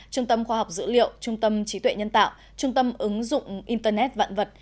trung tâm khoa học dữ liệu trung tâm trí tuệ nhân tạo trung tâm ứng dụng internet vạn vật